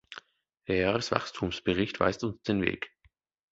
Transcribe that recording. Der Jahreswachstumsbericht weist uns den Weg.